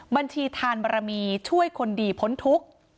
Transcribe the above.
บัญชีทานบรมีช่วยคนดีพ้นทุกข์